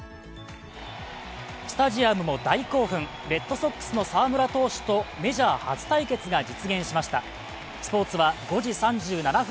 スタジアムも大興奮、レッドソックスの澤村投手とメジャー初対決が実現しました。